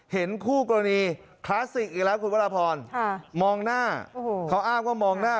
เห็นคู่กรณีคลาสสิกอีกแล้วคุณวรพรมองหน้าเขาอ้างว่ามองหน้า